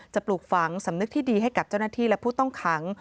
ปลูกฝังสำนึกที่ดีให้กับเจ้าหน้าที่และผู้ต้องขัง